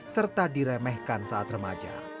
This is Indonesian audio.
serta diremehkan saat remaja